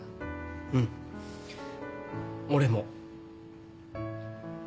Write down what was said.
うん俺も。